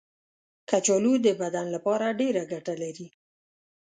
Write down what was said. کچالو د بدن لپاره ډېره ګټه لري.